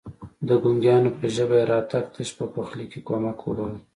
د ګونګيانو په ژبه يې راتګ تش په پخلي کې کمک وباله.